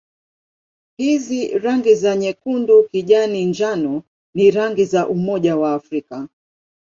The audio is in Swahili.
Hizi rangi za nyekundu-kijani-njano ni rangi za Umoja wa Afrika.